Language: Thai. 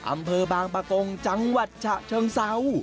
อำเภอบางประกงจังหวัดฉะเชิงเซา